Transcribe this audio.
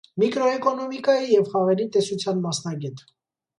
Միկրոէկոնոմիկայի և խաղերի տեսության մասնագետ։